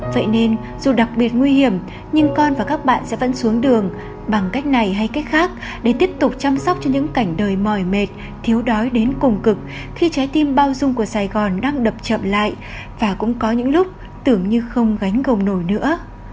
vậy nên dù đặc biệt nguy hiểm nhưng con và các bạn sẽ vẫn xuống đường bằng cách này hay cách khác để tiếp tục chăm sóc cho những cảnh đời mòi mệt thiếu đói đến cùng cực khi trái tim bao dung của sài gòn đang đập chậm lại và cũng có những lúc tưởng như không gánh gồng nổi nữa